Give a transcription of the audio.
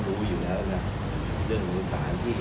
มันทำให้การเดินทางกล้องนอกมันลำบากทำไม